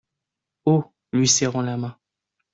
Haut ; lui serrant la main.